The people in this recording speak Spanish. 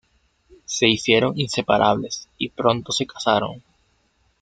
Se hicieron inseparables y pronto se casaron.